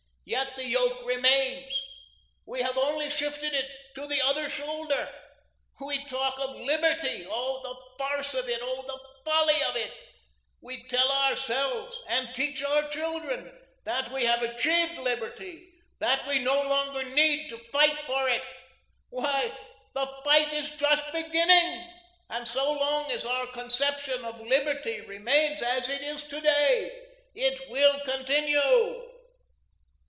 Yet the yoke remains; we have only shifted it to the other shoulder. We talk of liberty oh, the farce of it, oh, the folly of it! We tell ourselves and teach our children that we have achieved liberty, that we no longer need fight for it. Why, the fight is just beginning and so long as our conception of liberty remains as it is to day, it will continue.